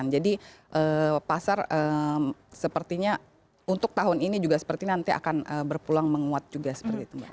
jadi pasar sepertinya untuk tahun ini juga seperti nanti akan berpulang menguat juga seperti itu mbak